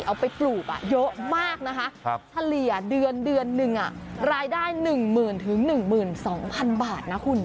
เอาไปปลูกเยอะมากนะคะเฉลี่ยเดือนเดือนหนึ่งรายได้๑๐๐๐๑๒๐๐๐บาทนะคุณ